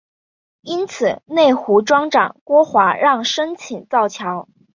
因此内湖庄长郭华让申请造桥。